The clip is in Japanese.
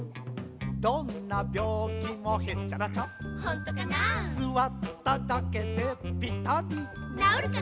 どんなびょうきもへっちゃらちゃほんとかなすわっただけでぴたりなおるかな